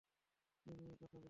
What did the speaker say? কী নিয়ে কথা বলছিস?